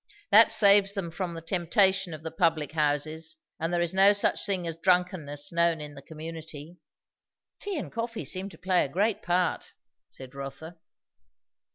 That saves them from the temptation of the public houses; and there is no such thing as drunkenness known in the community." "Tea and coffee seem to play a great part," said Rotha.